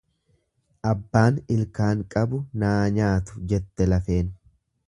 Abbaan ilkaan qabu naa nyaatu jette lafeen.